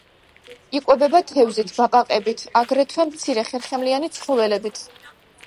იკვებება თევზით, ბაყაყებით, აგრეთვე მცირე ხერხემლიანი ცხოველებით.